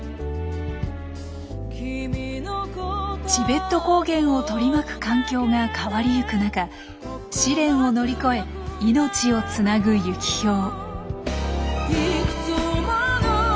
チベット高原を取り巻く環境が変わりゆくなか試練を乗り越え命をつなぐユキヒョウ。